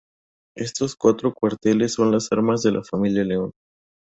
Estos cuatro cuarteles son las armas de la familia León.